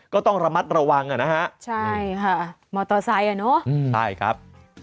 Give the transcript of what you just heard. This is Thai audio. ก็ต้องระมัดระวังอ่ะนะฮะใช่ค่ะมอเตอร์ไซค์อ่ะเนอะใช่ครับ